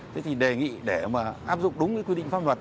thế thì đề nghị để mà áp dụng đúng cái quy định pháp luật